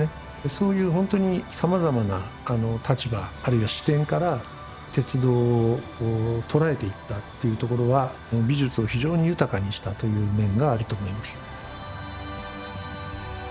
そういうほんとにさまざまな立場あるいは視点から鉄道を捉えていったというところは美術を非常に豊かにしたという面があると思います。